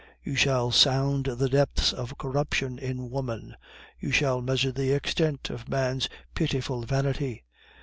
You shall sound the depths of corruption in woman; you shall measure the extent of man's pitiful vanity.